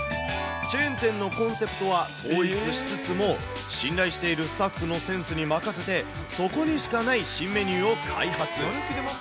チェーン店のコンセプトは統一しつつも、信頼しているスタッフのセンスに任せて、そこにしかない新メニューを開発。